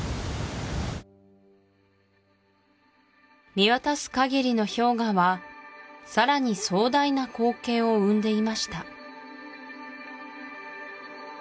見渡すかぎりの氷河はさらに壮大な光景を生んでいました